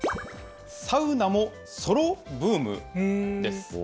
サウナもソロブームです。